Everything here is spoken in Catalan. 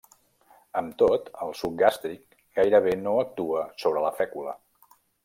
Amb tot, el suc gàstric gairebé no actua sobre la fècula.